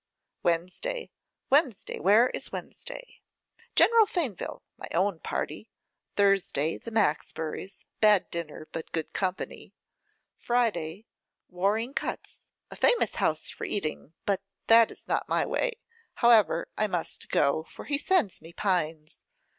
Wednesday, Wednesday, where is Wednesday? General Faneville, my own party. Thursday, the Maxburys, bad dinner, but good company. Friday, Waring Cutts, a famous house for eating; but that is not in my way; however, I must go, for he sends me pines.